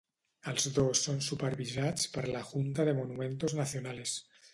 Els dos són supervisats per la Junta de Monumentos Nacionales.